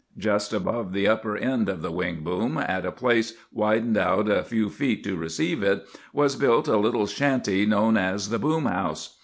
Just above the upper end of the wing boom, at a place widened out a few feet to receive it, was built a little shanty known as the boom house.